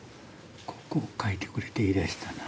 ここを描いてくれって言いだしたな。